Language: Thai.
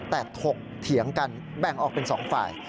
แต่ถกเถียงกันแบ่งออกเป็น๒ฝ่าย